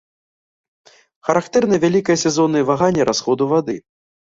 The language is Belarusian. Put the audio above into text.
Характэрныя вялікія сезонныя ваганні расходу вады.